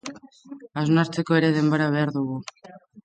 Hausnartzeko ere denbora behar dugu.